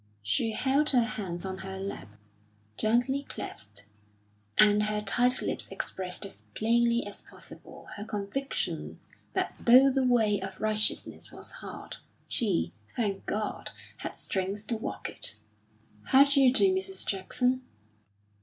She held her hands on her lap, gently clasped; and her tight lips expressed as plainly as possible her conviction that though the way of righteousness was hard, she, thank God! had strength to walk it. "How d'you do, Mrs. Jackson?"